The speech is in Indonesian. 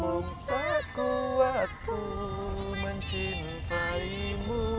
mumsaku waktu mencintaimu